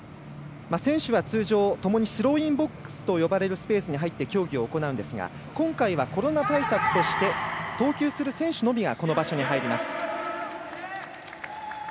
選手は通常、ともにスローインボックスと呼ばれるスペースに入って競技を行うんですが今回は、コロナ対策として投球する選手のみがこの場所に入ります。